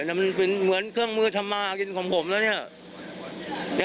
เหมือนเครื่องมือทำมากินของผมแล้วเนี่ย